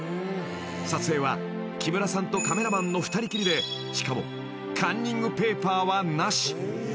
［撮影は木村さんとカメラマンの２人きりでしかもカンニングペーパーはなし］